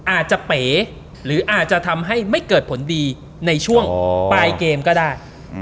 อาจจะเป๋หรืออาจจะทำให้ไม่เกิดผลดีในช่วงปลายเกมก็ได้